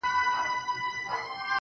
د هواګانو رُخ بدل غوندې و